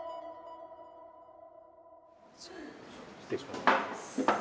失礼します。